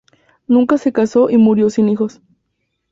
Nunca se casó y murió sin hijos.